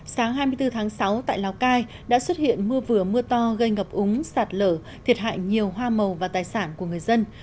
sáng hai mươi bốn tháng sáu tại lào cai đã xuất hiện mưa vừa mưa to gây ngập úng sạt lở thiệt hại nhiều hoa màu và tài sản của người dân